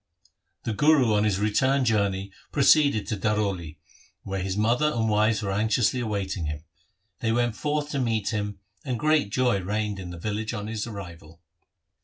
The Guru on his return journey proceeded to Daroli, where his mother and wives were anxiously awaiting him. They went forth to meet him, and great joy reigned in the village on his arrival.